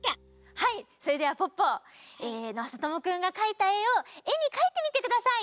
はいそれではポッポまさともくんがかいたえをえにかいてみてください。